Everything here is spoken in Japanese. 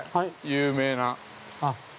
有名な。